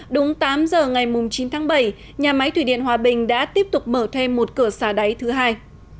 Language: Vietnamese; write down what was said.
đúng tám giờ ngày chín tháng bảy nhà máy thủy điện hòa bình đã tiếp tục mở thêm một cửa xả đáy thứ hai